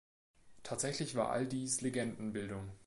Tatsächlich war all dies Legendenbildung.